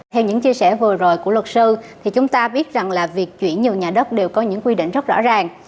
theo những chia sẻ vừa rồi của luật sư thì chúng ta biết rằng là việc chuyển nhiều nhà đất đều có những quy định rất rõ ràng